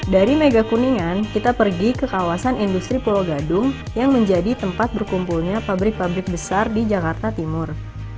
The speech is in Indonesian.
dari megakuningan kita pergi ke kawasan industri pulau gadung yang menjadi tempat berkumpulnya pabrik pabrik besar di jakarta timur